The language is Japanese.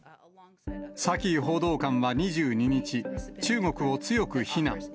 サキ報道官は２２日、中国を強く非難。